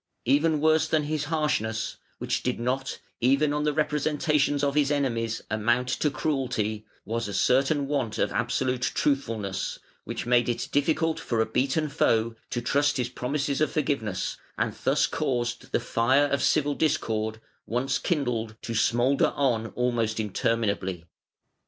Even worse than his harshness (which did not, even on the representations of his enemies, amount to cruelty) was a certain want of absolute truthfulness, which made it difficult for a beaten foe to trust his promises of forgiveness, and thus caused the fire of civil discord, once kindled, to smoulder on almost interminably.